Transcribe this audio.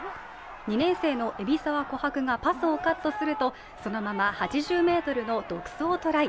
２年生の海老澤琥珀がパスをカットすると、そのまま８０ｍの独走トライ。